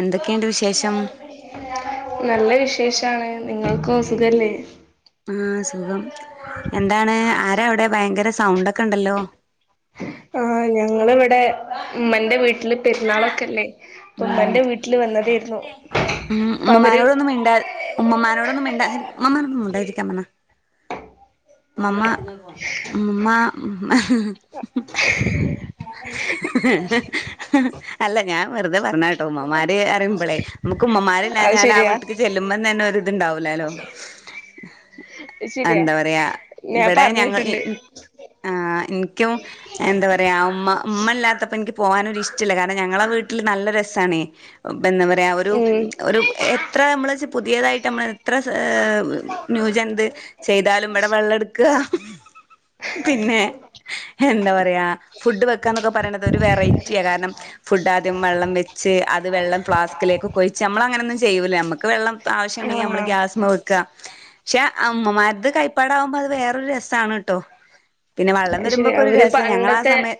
എന്തൊക്കെണ്ട് വിശേഷം നല്ല വിശേഷാണ് നിങ്ങൾക്കോ സുഖല്ലേ ആഹ് സുഖം എന്താണ് ആരവിടെ ഭയങ്കര സൗണ്ടൊക്കെണ്ടല്ലോ ആഹ് ഞങ്ങളിവിടെ ഉമ്മന്റെ വീട്ടില് പെരുന്നാളൊക്കെല്ലേ അപ്പൊ ഉമ്മന്റെ വീട്ടില് വന്നതായിരുന്നു ഉം ഉം അപ്പൊ അവര് ഉമ്മമാരോടൊന്ന് മിണ്ടാ ഉമ്മമാരോടൊന്ന് മിണ്ടാതിരി ഉമ്മമാഒന്ന് മുണ്ടായിരിക്കാൻ പറഞ്ഞ മ്മമ്മാ മ്മാ [inaudible] അല്ല ഞാൻ വെറുതെ പറഞ്ഞാ ട്ടോ ഉമ്മമാര് അറിയുമ്പളേ നമുക്ക് അത് ഉമ്മമാരില്ലാഞ്ഞാൽ ആ ശരിയാ വീട്ട്ക്ക് ചെല്ലുമ്പ തന്നെ ഒരിത്ണ്ടാവൂലല്ലോ അത് ശരിയാ എന്താ പറയാ ഞാൻ ഇവിടെ ഞങ്ങൾ പറഞ്ഞിട്ടുണ്ട് ആഹ് ഇന്ക്കും എന്താ പറയാ ഉമ്മ ഉമ്മ ഇല്ലാത്തപ്പോ ഇനിക്ക് പോകാനൊരിഷ്ട്ടല്ല കാരണം ഞങ്ങളെ വീ നല്ല രസാണ് ഇപ്പെന്താ പറയാ ഒരു ഉം ഒരു എത്ര നമ്മള്ച്ച് പുതിയതായിട്ടമ്മള് എത്ര സാ ന്യൂജ എന്ത് ചെയ്താലും ഇവിടെ വെള്ളട്ക്ക പിന്നെ എന്താ പറയാ ഫുഡ് വെക്കാന്നൊക്കെ പറയണത് ഒരു വെറൈ റ്റിയാ കാരണം ഫുഡാ ദ്യം വെള്ളം വെച്ച് അത് വെള്ളം ഫ്ലാസ്കിലേക്കെ കൊഴിച്ച് നമ്മൾ അങ്ങനൊന്നും ചെയ്യൂല നമ്മക്ക് വെള്ളം ആവശ്യണ്ടെങ്കി നമ്മള് ആഹ് ഗ്യാസ്മെ വെക്ക പക്ഷേ അഉമ്മമാരത് കൈപ്പാടാവുമ്പോ അത് വേറൊരു രസാണ് ട്ടോ പിന്നെ വള്ളം അത് ശരി വരുമ്പൊക്കോരു അവര് രസം ഞങ്ങളാ പണ്ടത്തെ സമയം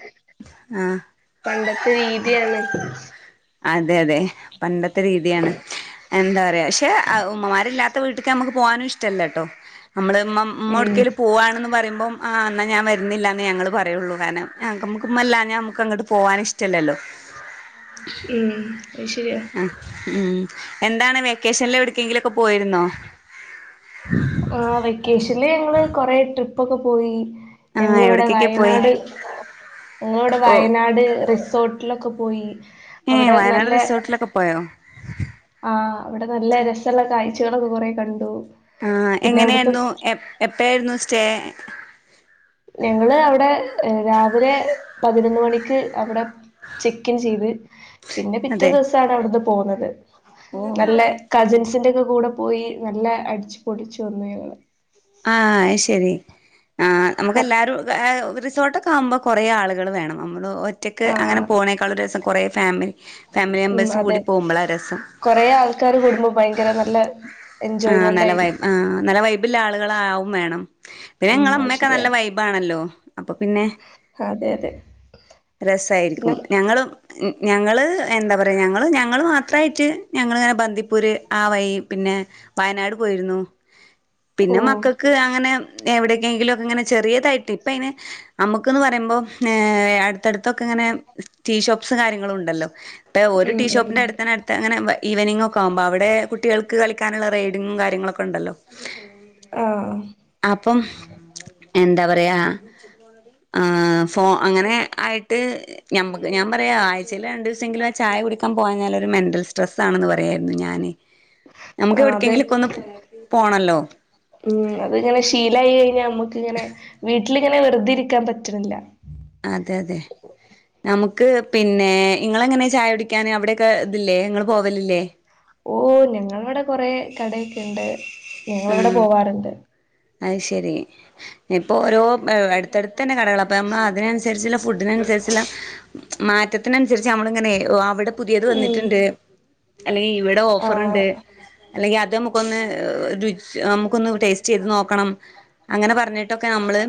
ആഹ് പണ്ടത്തെ രീതിയാണ് അതെ അതെ പണ്ടത്തെ രീതിയാണ് എന്താ പറയാക്ഷെ ഉമ്മമാരില്ലാത്ത വീട്ട്ക്ക് നമ്മക്ക് പോവാനും ഇഷ്ടല്ലട്ടോ നമ്മള്മ്മ മ്മ ഉം എവ്ട്ക്കേലും പോവാണ്ന്ന് പറയുമ്പോ ആഹ് ന്നാഞാൻ വരുന്നില്ലനെ ഞങ്ങൾ പറയുള്ളൂ കാരണം നാക്മക്ക് ഉമ്മാല്ലാനാ ഞാമ്മക്കങ്ങട്ട് പോവാനിഷ്ടല്ലല്ലോ ഉം അത് ശരിയാ ആഹ് ഉം എന്താണ് വെക്കേഷൻല് എവിടക്കെങ്കിലോക്കെ പോയിരുന്നോ ആഹ് വെക്കേഷൻല് ഞങ്ങള് കൊറെ ട്രിപ്പൊക്കെ പോയി ആ ഞങ്ങളിവ്ടെ എവിടക്കൊക്കെ പോയി വയനാട് ഞങ്ങളിവാടെ ഓ വയനാട് റിസോ ട്ലൊക്കെ പോയി ഏഹ് അവിടെ വയനാട് നല്ല റിസോട്ലൊക്കെ പോയോ ആഹ്.. അവ്ടെ നല്ലെ രസള്ള കായ്ചകളൊക്കെ കൊറേ കണ്ടു. ആഹ് പിന്നെ അവിടുത്തെ എങ്ങനേന്നു, എ, എപ്പെയേര്ന്നു സ്റ്റേ ഞങ്ങള് അവ്ടെ രാവിലെ പതിനൊന്നുമണിക്ക് അവ്ടെ ചെക്കിൻ ചെയ്ത് പിന്നെ പിറ്റേ അതെ ദിവ്സാണ് അവ്ടിന്ന് പോന്നത് നല്ലെ കസിൻസിൻ്റൊക്കെ കൂടെ പോയി നല്ല അടിച്ചു പൊടിച്ചു വന്നു ഞങ്ങള് ആഹ് ശരി ആ.. നമുക്കെല്ലാരും ഏഹ് റിസോർട്ടക് ആമ്പോ കൊറേ ആള്കള് വേണം അമ്മള് ഒറ്റക്ക് അങ്ങനെ ആഹ് പോണേക്കാളും രസം കുറേ ഫാമിലി ഫാമിലി ഉം.. മെമ്പേഴ്സ് അതെ കൂടി പോകുമ്പോളാ രസം കൊറേ ആൾക്കാര് കൂടുമ്പൊ ഭയ്ങ്കര, നല്ല ആഹ് എൻജോയ്മെന്റ് നല്ല വൈ ആയിരിക്കും ആഹ്. നല്ല വൈബില്ലാള് കളാവും വേണം, പിന്നെ ഉം അത് ഇങ്ങളെമ്മെക്കെ നല്ല ശരിയാണ് വൈബാണല്ലോ അപ്പൊ പിന്നെ അതെയതെ രസായിരിക്കും ഞങ്ങളും ഞങ്ങൾ എന്താ പറയ ഞങ്ങള് ഞങ്ങള് മാത്രായ്റ്റ് ഞങ്ങളിങ്ങനെ ബന്ദിപ്പൂര് ആ വയി പിന്നെ വയനാട് പോയിര്ന്നു ഓ പിന്നെ മക്കക്ക് അങ്ങനെ എവിടെകേങ്കിലും, ഇങ്ങനെ ചെറിയതായിട്ട് ഇപ്പയ്ന് അമ്മ്ക്ക്ന്ന് പറയുമ്പൊ ഏഹ് അട് ത്തട്ത്തൊക്കെങ്ങനെ ടീഷോപ്സും കാര്യങ്ങളുണ്ടല്ലോ ഇപ്പൊരു ഉം ഉം ടീഷോപ്പിന്റെ അട്ത്തെന്നെ ത് അങ്ങനെ ഈവനിങ്ങൊക്കാമ്പോ അവ്ടെ കുട്ടികൾക്ക് കളിക്കാനുള്ള റെയ്ഡിങ്ങും കാര്യങ്ങളൊക്കെ ഇണ്ടല്ലോ ആഹ് അപ്പം എന്താപറയാ ആഹ് ഫോ അങ്ങനെ ആയ്ട്ട് ഞമ്മക്ക് ഞാൻ പറയാ ആഴ്ചേൽ രണ്ടൂവസെങ്കിലും ആ ചായ കുടിക്കാ പോവാഞ്ഞാലൊരു മെൻ്റൽ സ്ട്രെസ്സാണിന്ന് പറയാരുന്നു ഞാന് നമ്ക്ക് ആഹ് അതെ എവ്ട്ക്കേങ്കിലൊക്കൊന്ന് പോണല്ലോ ഉം അതിങ്ങനെ ശീലായി കഴിഞ്ഞാ അമ്മക്കിങ്ങനെ വീട്ടിലിങ്ങനെ വെറ്തിരിക്കാൻ പറ്റ്ണില്ല അതെയതെ നമുക്ക് പിന്നെ ഇങ്ങളെങ്ങെനെ ചായുടിക്കാന് അവ്ടെക്കെ ഇതില്ലേ, ഇങ്ങള് പോകലില്ലേ ഓഹ് ഞങ്ങളടെ കൊറേ കടയൊക്കെണ്ട്. ഞങ്ങളെവ്ടെ പോവാറിണ്ട് അ ശരി ഇപ്പൊ ഓരോ ഏ അട്ത്തെട്തെന്നെ കടകള അപ്പമ്മ അതിനൻസ് സര്ച്ചിള്ള ഫുഡ്ഡിനൻസര്ച്ചിള്ള മാറ്റത്തിനൻസര്ച്ച് അമ്മളിങ്ങനെ എവടെ പുതിയത് ഉം വന്നിട്ടിണ്ട്. അല്ലെങ്കി ഇവിടെ ആഹ് ഓഫറിണ്ട് അല്ലെങ്കി അത് അമ്മുക്കൊന്ന് രുചി, നമുക്കൊന്ന് ടേസ്റ്റെയ്ത് നോക്കണം. അങ്ങനെ പർഞ്ഞിട്ടൊക്കെ നമ്മള്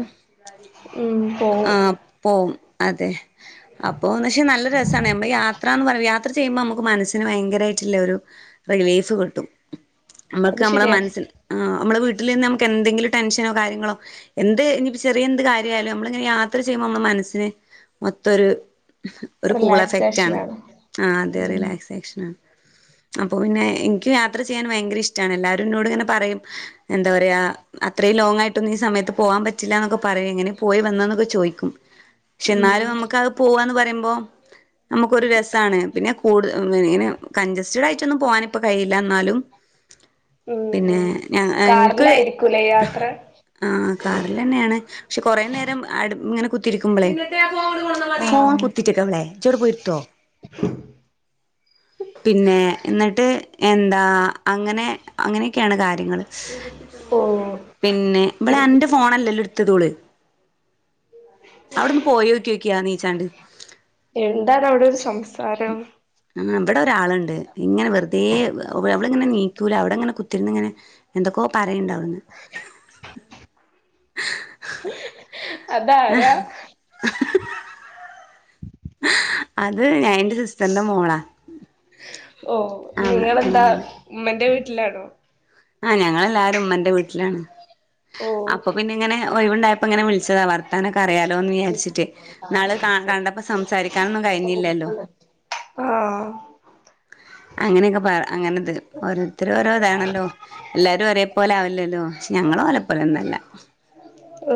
ഉം പോവും ആഹ് പോവും അതെ, അപ്പോന്നുവച്ചാ നല്ല രസാണ് നംള് യാത്രാന്ന് [unintelligible] യാ ത്ര ചെയ്യുമ്പമുക്ക് മനസ്സിന് ഭ്യങ്കരായ്റ്റില്ലെ ഒരു റിലീഫ് കിട്ടും. അത് അമ്മക്ക് അമ്മളെ ശരിയാ മനസ്സിൽ ആഹ് അമ്മളെ വീട്ടിലിന്ന് അമക്കെന്തെങ്കിലും ടെൻഷനോ കാര്യങ്ങളോ എന്ത് ഇനിപ്പ ചെറിയെ എന്ത് കാര്യായാലും അമ്മളിങ്ങനെ യാത്ര ചെയ്യുമ്പോ നമ്മളെ മനസ്സിന് മൊത്തൊരു ഒരു കൂൾ എഫെക്റ്റാണ്. റിലാക്സേഷനാണ് ആഹ് അതെ ഉം റിലാക്സേഷനാണ് അപ്പൊ പിന്നെ ഇൻക്ക് യാത്ര ചെയ്യാൻ ഭയ്ങ്കരെ ഇഷ്ടാണ് എല്ലാരും ഇന്നോടിങ്ങനെ പറെം എന്താ പറയാ അത്രേ ലോങായ്ട്ടൊന്നീ സമയത്ത് പോവാൻ പറ്റില്ലാ ന്നൊക്കെ പറയും. എങ്ങനെ പോയി വന്നെന്നൊക്കെ ചോയ്ക്കും ഉം ഷെന്നാലും നമ്മുക്ക പോവാന്ന് പറയുമ്പോ നമുക്കൊരു രസാണ് പിന്നെ കൂടു, ഇങ്ങനെ കഞ്ചസ്റ്റഡായിട്ടൊന്നും പോകാനിപ്പം കയ്യില ഇന്നാലും ഉം.. ഉം.. എനിക്ക് കാർലായിരിക്കൂ ലെ യാത്ര ആ കാറിൽ തന്നെയാണ്, പക്ഷെ കൊറെനേരമിങ്ങനെ കുത്തിരിക്കുമ്പളേ ഫോൺ ആഹ് കുത്തിട്ടേക്കവളെ ജട് പോയ്ട്ത്തോ പിന്നെ എന്നിട്ട് എന്താ അങ്ങനെ അങ്ങനെയൊക്കെയാണ് കാര്യങ്ങൾ ഓ പിന്നെ പി ഇവിടെ എന്റെ ഫോണല്ലല്ലോ എടുത്തത് ഓള് അവിടെന്ന് പോയോക്കിക്കിയ നീച്ചാണ്ട് എന്താണ് അവിടെ ഒരു സംസാരം ആ അവിടെ ഒരാളുണ്ട് ഇങ്ങനെ വെറുതെ അവള ഇങ്ങനെ നീക്കൂല അവിടെ ഇങ്ങനെ കുത്തിരുന്ന് ഇങ്ങനെ എന്തൊക്കോ പറയുണ്ടകന്ന് അതാര അത് ഞാൻ എന്റെ സിസ്റ്ററിന്റെ മോളാ ആ ഉമ്മൻ്റെ വീട്ടിലാണോ ആഹ് ഞങ്ങളെ എല്ലാരും ഉമ്മന്റെ വീട്ടിലാണ് ഓ അപ്പൊ പിന്നെ ഇങ്ങനെ ഒഴവുണ്ടായപ്പോ ഇങ്ങനെ വിളിച്ചതാ വർത്താന ഒക്കെ അറിയാലോ എന്ന് വിചരിച്ചിട്ട് നാള് കണ്ടപ്പോ സംസാരിക്കാനൊന്നും കഴിഞ്ഞില്ലല്ലോ ആഹ് അങ്ങനെയൊക്കെ പറ അങ്ങനെത് ഓരോരുത്തര ഓരോ ഇതാണല്ലോ എല്ലാരും ഒരേ പോലെ ആവില്ലല്ലോ പക്ഷെ ഞങ്ങളും വലപ്പോലെ ഒന്നല്ല ഓ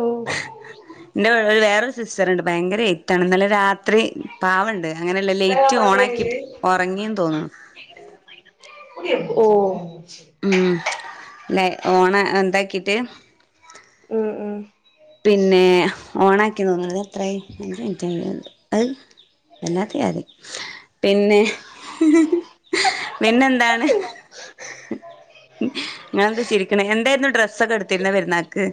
എന്റെ വേറൊരു സിസ്റ്റർ ഉണ്ട് ഭയങ്കര റ്റാണ് എന്നലെ രാത്രി പാവണ്ട് അങ്ങനെയല്ല ലേറ്റ് ഓണ ആക്കി ഉറങ്ങിന്ന് തോന്നുന്നു ഓ ഉം അല്ല ഓണ എന്താക്കീട്ട് ഉം ഉം പിന്നെ ഓണ ആക്കി തോന്നണത് എത്ര അഞ്ച് മിനിറ്റ് അത് എന്നാത്തി അതി പിന്നെ പിന്നെെന്താണ് ങ്ങെ എന്ത് ചിരിക്കണ എന്തായിരുന്നു ഡ്രസ്സൊക്കെ എടുത്തിരുന്ന പെരുന്നാൾക്ക്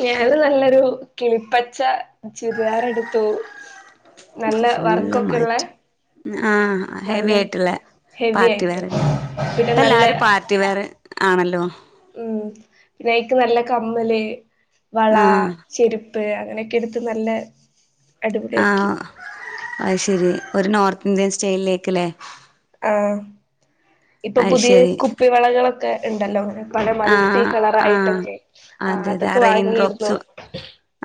ഞാന് നല്ലൊരു കിളിപ്പച്ച ചുരിദാറെ എടുത്തു നല്ല വർക്കൊക്കെക്കെള്ള ആഹ് ഹെവി ആയിട്ടുള്ള ഹെവി പാർട്ടി ആയിട്ട് വേറല്ലെ പിന്നെ ഇപ്പ നല്ല എല്ലാരും പാർട്ടി റ്റി വയർ ആണല്ലോ ഉം പിന്നെക്ക് നല്ല കമ്മല് വള ആ ചെരുപ്പ പ്പ് അങ്ങനെയൊക്കെ എടുത്ത് നല്ല അടിപൊളിയാക്കി ആഹ് അ ശരി ഒരു നോർത്ത് ഇന്ത്യൻ സ്റ്റൈലിലേക്ക്ല്ലേ ആഹ് ഇപ്പൊ പുതിയ ശരി കുപ്പിവളകളൊക്കെ ഉണ്ടല്ലോ പല ആ മൾട്ടി കളർ ആ ആയിട്ടൊക്കെ ആ അതൊക്കെ വാങ്ങയിരുന്നു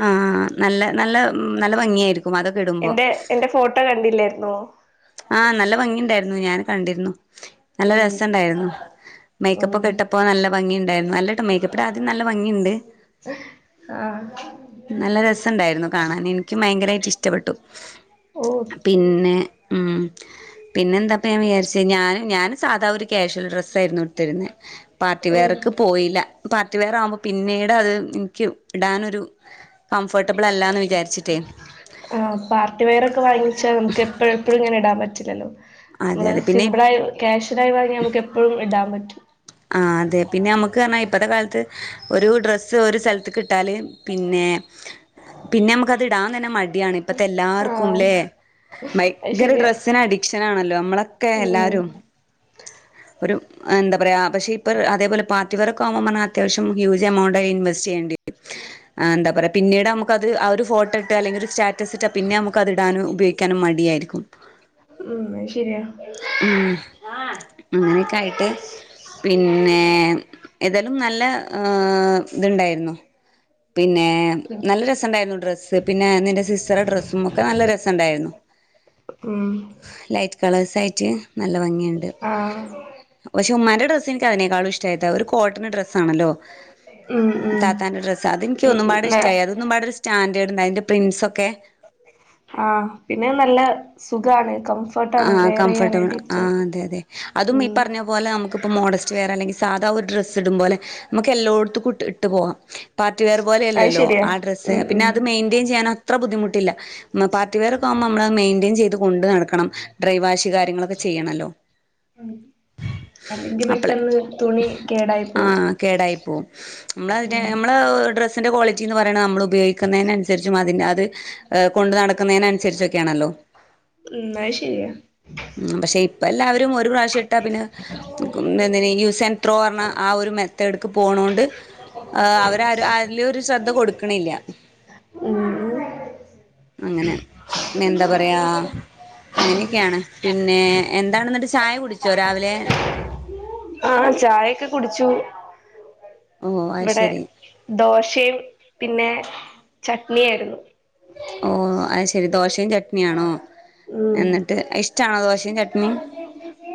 ആഹ് നല്ല നല്ല നല്ല ഭംഗിയായിരിക്കും അത് എന്റെ എന്റെ ഫോട്ടോ കണ്ടില്ലായിര്ന്നോ ആഹ് നല്ല ഭംഗിണ്ടായിരുന്നു ഞാൻ കണ്ടിരുന്നു നല്ല ഉം രസണ്ടായിരുന്നു മേക്കപ്പ ഉം ഒക്കെ ഇട്ടപ്പോ നല്ല ഭംഗി ഉണ്ടായിരുന്നു നല്ലട്ടോ മേക്കപ്പി ആദ്യം നല്ല ഭംഗിയുണ്ട് ആഹ് നല്ല രസംണ്ടായിരുന്നു കാണാൻ എനിക്കും ഭയങ്കരമായിട്ട് ഇഷ്ടപ്പെട്ടു ഓ പിന്നെ ഉം പിന്നെ എന്താപ്പം ഞാൻ വിചാരിച്ച ഞാൻ ഞാൻ സാധാ ഒരു കഷ്വാൽ ഡ്രസ്സായിരുന്നു കൊടുത്തിരുന്നത് പാർട്ടി ഓ വെയർക്ക് പോയില്ല പാർട്ടി വെയർ ആകുമ്പ പിന്നീട് അത് എനിക്ക് ഇടാനൊരു കംഫോർട്ടബിൾ അല്ലാന്ന് വിചാരിച്ചിട്ടേ ആഹ് പാർട്ടി വെയർ ഒക്കെ വാങ്ങിച്ചാ നമക്ക് എപ്പഴ എപ്പഴും ഇങ്ങനെ ഇടാൻ പറ്റില്ലല്ലോ അതെ നമ്മള് അതെ പിന്നെ സിമ്പിളായി ക്യാഷ്യനായി വങ്ങ നമുക്ക് എപ്പോഴും ഇടാൻ പറ്റും ആഹ് അതെ പിന്നെ നമുക്ക് പറഞ്ഞൽ ഇപ്പഴത്തെ കാലത്ത് ഒരു ഡ്രസ്സ് ഒരു സ്ഥലത്ത് കിട്ടാല് പിന്നെ പിന്നെ നമക്ക്ത് ഇടാ തന്നെ മടിയാണ് ഇപ്പത്തെ ആഹ് എല്ലാർക്കുംല്ലേ അത് ഭയങ്കര ശരിയാ ഡ്രസ്സിന് അട ഷനാണല്ലോ നമ്മളൊക്കെ ഉം എല്ലാരും ഒരു എന്താ പറയാ പക്ഷെ ഇപ്പ അതേപോലെ പാർട്ടിവെയറൊക്കെ ആവുമ്പോ അത്യാവശ്യം ഹൂജ്എമൗണ്ടായി ഇൻവെസ്റ്റ് ചെയ്യേണ്ടേ എന്താ പറയുക പിന്നീട് നമുക്കത് ആ ഒരു ഫോട്ടോ ഇട്ടാ അല്ലെങ്കിൽ ഒരു സ്റ്റാറ്റസ് ഇട്ടാ പിന്നെ നമുക്ക് അതിടാനും ഉപയോഗിക്കാനും മടിയാരിക്കും കുപ്പ ഉം ശരിയാണ് ഉം അങ്ങനെയൊക്കെ ആയിട്ട് പിന്നെ ഏതായാലും നല്ല ഇതുണ്ടായിരുന്നു പിന്നെ ഏഹ് നല്ല രസണ്ടായിരുന്നു ഡ്രസ്സ് പിന്നെ നിന്റെ സിസ്റ്ററിൻ്റെ ഡ്രസ്സും ഒക്കെ നല്ല രസണ്ടായിരുന്നു ഉം ലൈറ്റ് കളേഴ്സ് ആയിട്ട് നല്ല ഭംഗിയുണ്ട് ആഹ് പക്ഷെ ഉമ്മാന്റെ ഡ ക്ഷെ എനിക്ക് അതിനേക്കാളും ഇഷ്ടപെട്ട് ഒരു കോട്ടൺ ഡ്രസ് ആണല്ലോ ഉം ഉം താത്താന്റെ ഡ്രസ്സ് അതെനിക്ക് ഒന്നുംപാട് ഉം ഇഷ്ടായി അത് മ്മാടെ ഒരു സ്റ്റാൻഡേർഡ്ണ്ട് അതിൻ്റെ പ്രിൻസ് ഒക്കെ ആഹ് പിന്നെ നല്ല സുഖാണ് കംഫ ആ കംഫോർട്ടബിൾ ആ അതെ അതെ അതും ഈ ഉം പറഞ്ഞ അതുപോലെ നമുക്കിപ്പ മോഡസ്റ്റ് വെയർ അല്ലെങ്കിൽ സാധാ ഒരു ഡ്രസ്സ് ഇടുമ്പോലെ നമുക്ക് എല്ലോടുത്തും ഇട്ട് പോവാാം പാർട്ടിവെയർ അത് പോലെയല്ലോ ശരിയാ ആ ഡ്രസ്സ് ഉം പിന്ന ഉം അത് മെയിന്റയിൻ ചെയ്യാൻ അത്ര ബുദ്ധിമുട്ടില്ല പാർട്ടിവെയറൊക്കെ ആമ്പോ നമ്മള് മെയിന്റെയിൻ ചെയ്ത് കൊണ്ട് നടക്കണം ഡ്രൈവാഷ് കാര്യങ്ങളൊക്കെ ചെയ്യണല്ലോ അല്ലെങ്കി അപ്പളേ പെട്ടെന്ന് തുണി കേടായി ആ പോവും കേടായിപ്പോകും നമ്മളയിൻ്റെ ഉം നമ്മള് ഡ്രസ് ൻ്റെ ക്വാളിറ്റി എന്ന് പറയണം നമ്മള് ഉപയോഗിക്ക്ന്നേന് അനുസരിച്ചും അതിൻ്റെ അത് ആ കൊണ്ടു നടക്കുന്നേനും അനുസരിച്ചൊക്കെ ആണല്ലോ ഉം അത് ശരിയാ പക്ഷെ ഇപ്പെ എല്ലാരും ഒരു പ്രാവശ്യ ട്ടാ പിന്നെ പറഞ്ഞ [unintelligible] ആ ഒരു മെ ത്തെടുക്ക് പോണോണ്ട് അവര് ആരും അതിലും ഒരു ശ്രദ്ധ കൊടുക്കണില്ല ഉം അങ്ങനെ പിന്നെ എന്താ പറയാ അങ്ങനെയൊക്കെയാണ് പിന്നെ എന്താണ് എന്നിട്ട് ചായ കുടിച്ചോ രാവിലെ ആഹ് ചായൊക്കെ കുടിച്ചു ഓഹ് അത് ഇവിടെ ശരി ദോശയും പിന്നെ ചട്നിയാരുന്നു. ഓഹ് അത് ശെരി ദോശയും ചട്നിയാണോ ഉം എന്നിട്ട് ഇഷ്ടാണോ ദോശയും ചട്നിം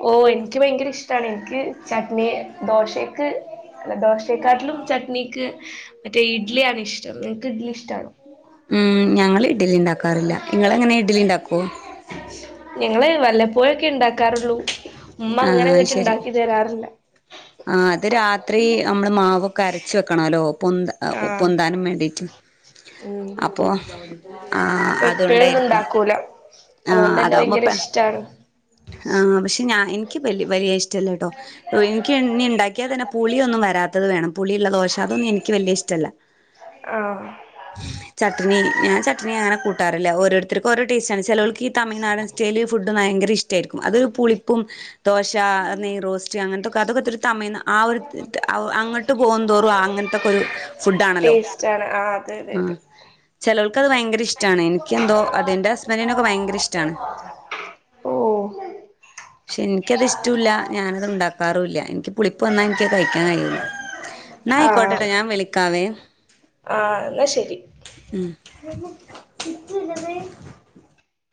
ഓഹ് എനിക്ക് ഭയങ്കര ഇഷ്ടാണ് എനിക്ക് ചട്നിയ ദോശക്ക് ദോശ കാട്ടിലും ചട്നിക്ക് മറ്റേ ഇഡ്ലിയാണ് ഇഷ്ടം എൻക്ക് ഇഡ്ഡ്ലി ഇഷ്ടാണ് ഉം ഞങ്ങള് ഇഡ്ഡലി ഇണ്ടാക്കാറില്ല നിങ്ങള് എങ്ങനെയാ ഇഡ്ഡലി ഇണ്ടാക്കുവോ ഞങ്ങള് വല്ലപ്പോഴൊക്കെ ഇണ്ടാക്കാറുള്ളൂ ഉമ്മ അങ്ങനെ ആഹ് ഇങ്ങട്ട് ശരി ഇണ്ടാക്കി തരാറില്ല ആ അത് ര ത്തി നമ്മള് മാവൊക്കെ അരച്ച് വെക്കണല്ലോ പൊന്ത ആഹ് പൊന്താനും വേണ്ടീട്ട് ഉം അപ്പോ ആ അതൊണ്ടായിരിക്കും അതൊണ്ടന്നെ ഭയങ്കര ഇഷ്ടാണ് ആ പക്ഷെ ഞാൻ എനിക്ക് വലിയ ഇഷ്ടല്ലട്ടോ ക്ക് ഇനി ഇണ്ടാക്കിയാ തന്നെ പുളിയൊന്നും വരാത്തത് വേണം പുളിയുള്ള ദോശ അതൊന്നും എനിക്ക് വലിയ ഇഷ്ടല്ല ആഹ് ചട്ണി ഞാൻ ചട്ണി അങ്ങനെ കൂട്ടാറില്ല ഓരോര് ത്രക്കും ഓരോ ടേസ്റ്റാണ് ചിലോൾക്ക് ഈ തമിഴ്നാടൻ സ്റ്റൈല് ഫുഡ് ഭയര ഇഷ്ടായിരിക്കും അത് പുളിപ്പും ദോശ നെയ്റോസ്റ്റ് അങ്ങൻത്തെ അതൊക്കെ ഒത്തിരി തമിയ് ആ ഒരു അങ്ങട്ട് പോകും തോറും അങ്ങൻത്തെക്കൊരു ഫുഡാണല്ലോ ടേസ്റ്റ് ആണ് ആഹ് അതെ അതെ ആ അതെ ചിലോൾക്കത് ഭയങ്കര ഇഷ്ട ഇഷ്ടമാണ് എനിക്ക് എന്തോ അതന്റെ ഹസ്ബന്റനൊക്കെ ഭയങ്കര ഇഷ്ടമാണ് ഓ പക്ഷെ എനിക്കത് ഇഷ്ടവു ഇല്ല. ഞാനത് ഉണ്ടാക്ക ക്കാറു ഇല്ല. എനിക്ക് പുളിപ്പ് വന്നാ എനിക്ക് കഴിക്കാൻ കഴിയില്ല. നായിക്കോട്ടേട്ടോ ഞാൻ വിളിക്കാവേ. ആ എന്നാ ശരി. ഉം